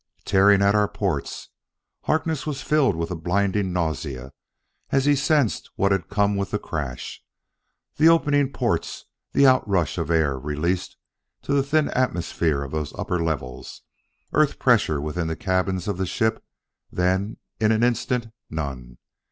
"Tearing at our ports!" Harkness was filled with a blinding nausea as he sensed what had come with the crash. The opening ports the out rush of air released to the thin atmosphere of those upper levels! Earth pressure within the cabins of the ship; then in an instant none!